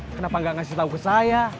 kenapa gak ngasih tahu ke saya